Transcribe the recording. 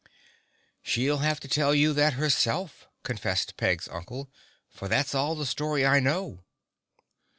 "She'll have to tell you that herself," confessed Peg's uncle, "for that's all of the story I know."